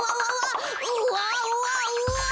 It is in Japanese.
うわうわうわ！